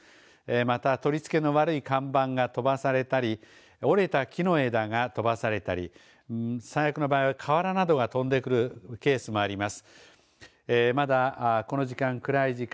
また取り付けの悪い看板が飛ばされたり折れた木の枝が飛ばされたり最悪の場合は瓦などが飛んでくるケースもあります。